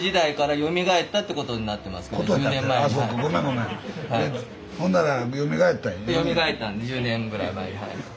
よみがえったんです１０年ぐらい前に。